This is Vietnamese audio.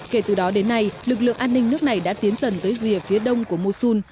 kể từ đó đến nay lực lượng an ninh nước này đã tiến dần tới rìa phía đông của mosun